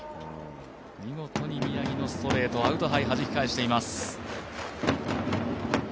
見事に宮城のストレートアウトハイ、はじき返しています。